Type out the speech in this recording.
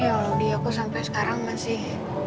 ya allah aku sampai sekarang masih